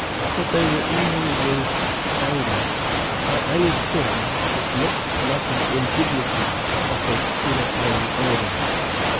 But they were easily moved to anger by any thing that looked like an indignity offered to their own order.